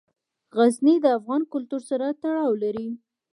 غزني د افغان کلتور سره تړاو لري.